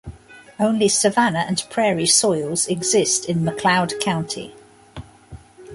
Only savanna and prairie soils exist in McLeod County.